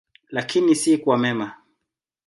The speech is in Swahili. Lakini si kwa mema.